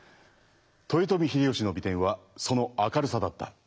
豊臣秀吉の美点はその明るさだった。